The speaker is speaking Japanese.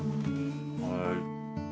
はい。